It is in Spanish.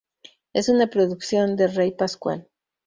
Es una producción de Rey Pascual.